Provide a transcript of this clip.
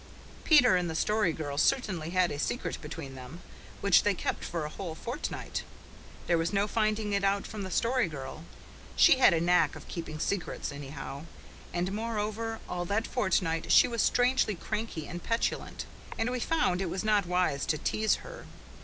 Peter and the Story Girl certainly had a secret between them, which they kept for a whole fortnight. There was no finding it out from the Story Girl. She had a knack of keeping secrets, anyhow; and, moreover, all that fortnight she was strangely cranky and petulant, and we found it was not wise to tease her.